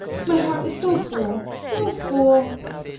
My heart is so full, so full